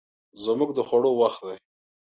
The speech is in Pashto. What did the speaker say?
زموږ د خوړو وخت دی